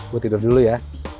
gue tidur dulu ya